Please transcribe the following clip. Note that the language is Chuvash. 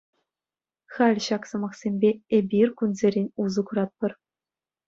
Халь ҫак сӑмахсемпе эпир кунсерен усӑ куратпӑр.